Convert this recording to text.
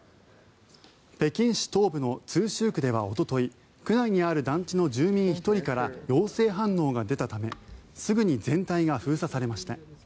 北京市東部の通州区ではおととい区内にある団地の住民１人から陽性反応が出たためすぐに全体が封鎖されました。